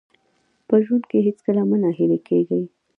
په ژوند کې هېڅکله مه ناهیلي کېږئ.